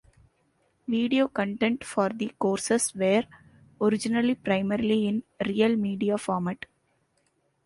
Video content for the courses were originally primarily in RealMedia format.